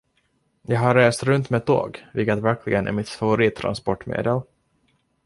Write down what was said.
Jag har rest runt med tåg vilket verkligen är mitt favorittransportmedel.